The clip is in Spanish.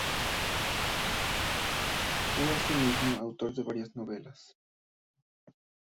Fue asimismo autor de varias novelas.